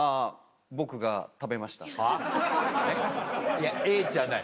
いや「えっ？」じゃない。